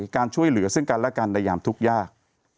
การช่วยเหลือซึ่งกันและกันในยามทุกข์ยาก